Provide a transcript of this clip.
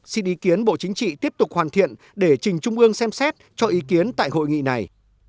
xin ý kiến bộ chính trị tiếp tục hoàn thiện để trình trung ương xem xét cho ý kiến tại hội nghị này